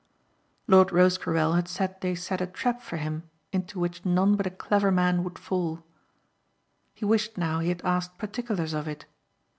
Lord Rosecarrel had said they set a trap for him into which none but a clever man would fall. He wished now he had asked particulars of it.